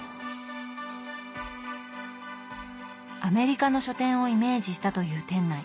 アメリカの書店をイメージしたという店内。